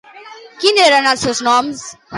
Quins eren els seus noms?